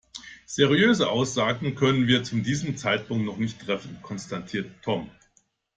Seriöse Aussagen können wir zu diesem Zeitpunkt noch nicht treffen, konstatierte Tom.